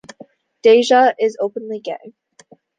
Deja is openly gay.